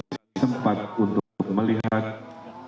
sempat untuk melihatnya